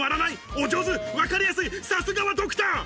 お上手、わかりやすい、さすがはドクター。